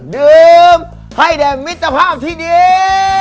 ดื่มให้แดงมิตรภาพที่ดี